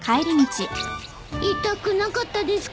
痛くなかったですか？